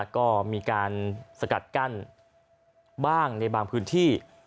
ก็มีการสกัดกั้นบ้างในบางพื้นที่